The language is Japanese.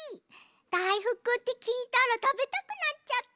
だいふくってきいたらたべたくなっちゃった。